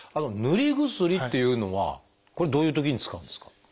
塗り薬っていうのはこれどういうときに使うんですか？